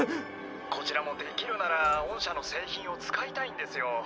こちらもできるなら御社の製品を使いたいんですよ。